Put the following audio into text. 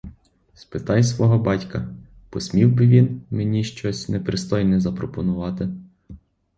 Спитай свого батька: посмів би він мені щось непристойне запропонувати?